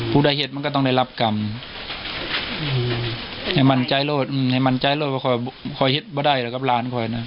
ได้เห็นมันก็ต้องได้รับกรรมให้มั่นใจโลดให้มั่นใจโลดว่าค่อยเห็นว่าได้แล้วกับหลานคอยนะ